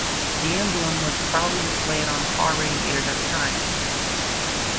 The emblem was proudly displayed on car radiators at the time.